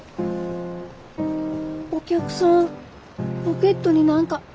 お客さんポケットに何か。